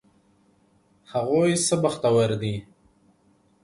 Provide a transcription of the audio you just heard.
هغوی څه بختور دي!